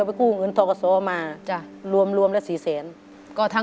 มีเงินอยู่เซนหนึ่ง